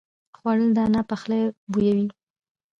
خوړل د انا پخلی بویوي